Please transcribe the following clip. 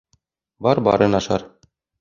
Бар барын ашар